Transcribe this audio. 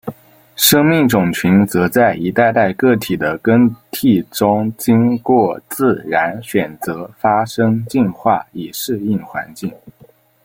生命种群则在一代代个体的更替中经过自然选择发生进化以适应环境。